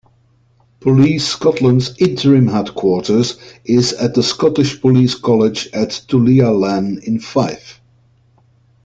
Police Scotland's interim headquarters is at the Scottish Police College at Tulliallan in Fife.